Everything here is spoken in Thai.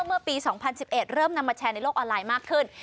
เมื่อปี๒๐๑๑เริ่มนำมาแชร์ในโลกออนไลน์มากขึ้น